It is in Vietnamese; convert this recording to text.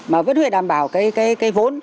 mà vẫn phải đảm bảo cái vốn